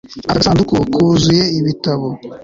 Aka gasanduku kuzuye ibitabo